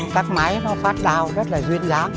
các mái nó phát đao rất là duyên dáng